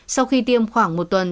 sau khi tiêm khoảng một tuần